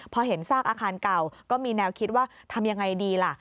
พอเห็นซากอาคารเก่าก็มีแนวคิดว่าทำยังไงดีล่ะ